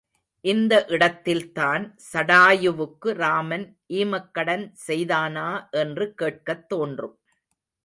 இந்த இடத்தில்தான் சடாயுவுக்கு ராமன் ஈமக்கடன் செய்தானா என்று கேட்கத் தோன்றும்.